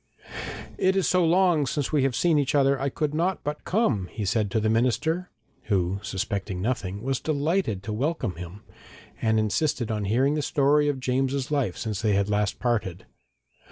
'It is so long since we have seen each other, I could not but come,' he said to the minister, who, suspecting nothing, was delighted to welcome him, and insisted on hearing the story of James's life since they had last parted.